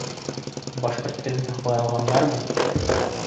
Башҡорт телен һаҡлай алғандармы?